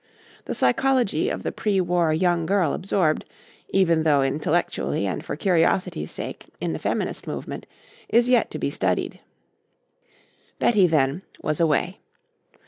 The psychology of the pre war young girl absorbed, even though intellectually and for curiosity's sake, in the feminist movement, is yet to be studied. Betty, then, was away.